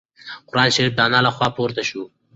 قرانشریف د انا له خوا پورته شو.